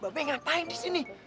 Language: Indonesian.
mbak beng ngapain disini